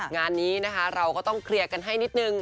งานนี้นะคะเราก็ต้องเคลียร์กันให้นิดนึง